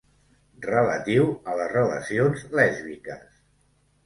Relatiu a les relacions lèsbiques.